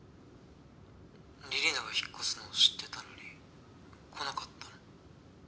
李里奈が引っ越すのを知ってたのに来なかったの？